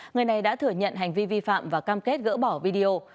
người này đã thừa nhận hành vi vi phạm và cam kết gỡ bỏ video